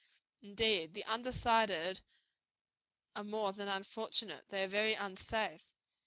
Indeed, the undecided are more than unfortunate; they are very unsafe.